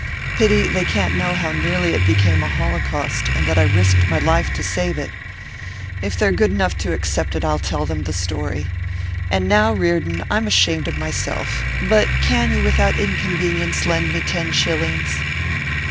Pity they can't know how nearly it became a holocaust, and that I risked my life to save it. If they're good enough to accept it I'll tell them the story. And now, Reardon, I'm ashamed of myself, but can you without inconvenience lend me ten shillings?